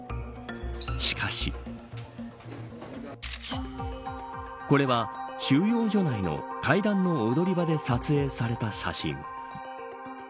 しかしこれは収容所内の階段の踊り場で撮影された写真。